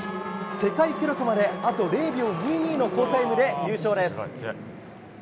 世界記録まで、あと０秒２２の好タイムで優勝です。